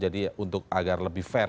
dari sejumlah gugatan yang memenangkan kpu